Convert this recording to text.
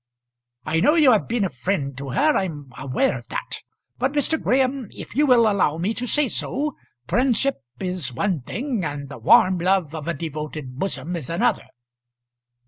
"I know you have been a friend to her; I am aware of that. But, Mr. Graham, if you will allow me to say so, friendship is one thing, and the warm love of a devoted bosom is another."